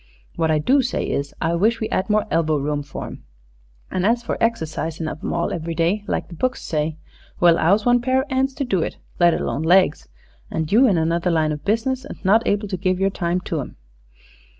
"What I do say is, I wish we 'ad more elbow room for 'em. An' as for exercisin' of 'em all every day, like the books say well, 'ow's one pair of 'ands to do it, let alone legs, and you in another line of business and not able to give yer time to 'em?"